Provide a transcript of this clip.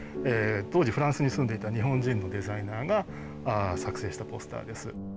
当時フランスに住んでいた日本人のデザイナーが作製したポスターです。